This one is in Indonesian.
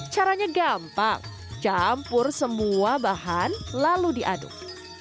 caranya gampang campur semua bahan lalu diaduk